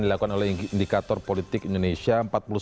dilakukan oleh indikator politik indonesia